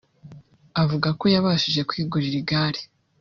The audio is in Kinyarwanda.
Avuga ko yabashije kwigurira igare